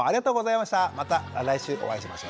また来週お会いしましょう。